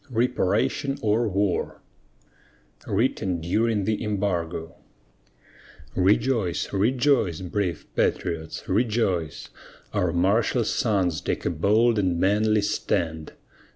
REPARATION OR WAR WRITTEN DURING THE EMBARGO Rejoice, rejoice, brave patriots, rejoice! Our martial sons take a bold and manly stand!